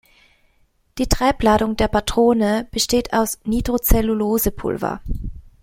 Die Treibladung der Patrone besteht aus Nitrozellulose-Pulver.